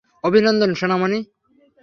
অভিনন্দন, সোনামণি।